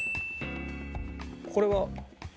これは。